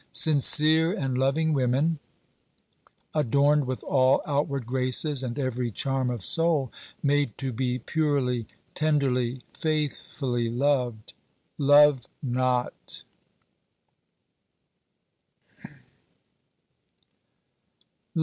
Sincere and loving women, adorned with all outward graces and every charm of soul, made to be purely, tenderly, faithfully loved — love not